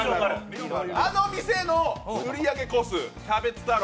あの店の売り上げ個数、キャベツ太郎